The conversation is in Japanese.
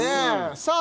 さあ